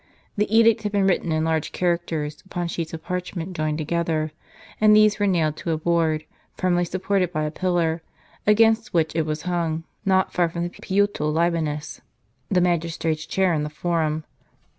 The edict had been written in large characters, upon sheets of parchment joined together; and these were nailed to a board, firmly supported by a pillar, against which it was hung, not far from the Puteal Libonis, the magistrate's chair in the Forum.